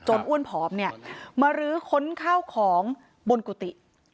อ้วนผอมเนี่ยมารื้อค้นข้าวของบนกุฏิ